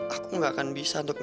aku gak akan bisa untuk menerimanya